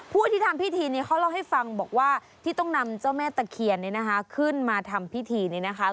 ผู้ที่ทำพิธีนี้เขาเล่าให้ฟังบอกว่าที่ต้องนำเจ้าแม่ตะเคียนเนี่ยนะคะขึ้นมาทำพิธีนี้นะคะ